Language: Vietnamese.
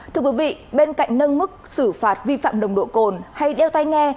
thưa quý vị bên cạnh nâng mức xử phạt vi phạm nồng độ cồn hay đeo tay nghe